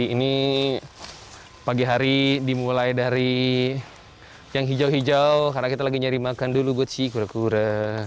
ini pagi hari dimulai dari yang hijau hijau karena kita lagi nyari makan dulu buat sih kura kura